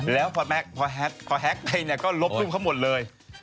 แล้วพอมักมาแฮกใครนี่เนี่ยก็ลบรูปเขาหมดเลย